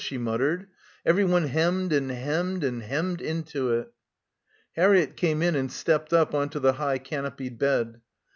she muttered. "Everyone hemmed and hemmed and hemmed into it." Harriett came in and stepped up on to the high canopied bed.